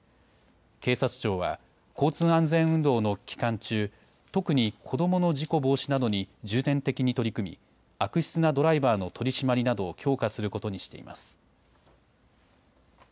警察庁は交通安全運動の期間中、特に子どもの事故防止などに重点的に取り組み悪質なドライバーの取締りなどを強化することにしています。